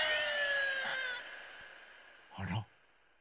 あら？